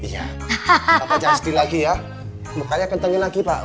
iya kakak janji lagi ya mukanya kenteng lagi pak